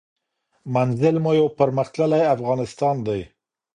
منزل مو یو پرمختللی افغانستان دی.